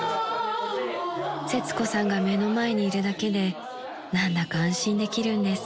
［せつこさんが目の前にいるだけで何だか安心できるんです］